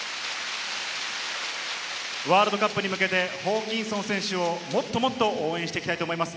ワールドカップに向けてホーキンソン選手をもっともっと応援していきたいと思います。